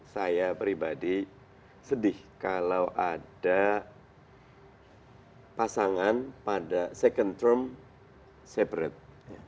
saya pribadi sedih kalau ada pasangan pada second term separate